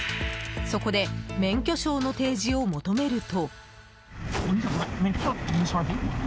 そこで免許証の提示を求めると。